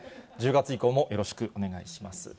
１０月以降もよろしくお願いいたします。